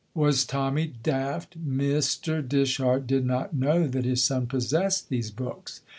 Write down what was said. Was Tommy daft? Mr. Dishart did not know that his son possessed these books.